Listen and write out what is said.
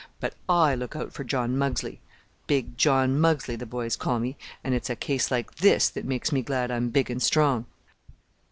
But I look out for John Muggsley! Big John Muggsley the boys call me! And it's a case like this that makes me glad I'm big and strong."